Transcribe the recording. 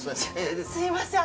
すみません